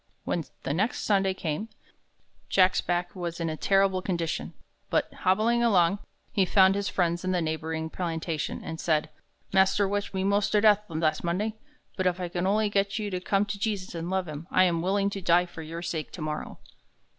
When the next Sunday came, Jack's back was in a terrible condition. But, hobbling along, he found his friends in the neighboring plantation, and said: "Mas'r whipped me mos' ter death last Monday, but if I can only get you to come to Jesus and love him, I am willing to die for your sake tomorrow."